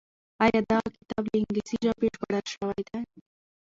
آيا دغه کتاب له انګليسي ژبې ژباړل شوی دی؟